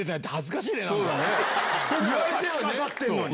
着飾ってんのに。